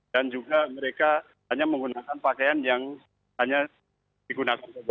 dan juga mereka hanya menggunakan pakaian yang hanya digunakan saja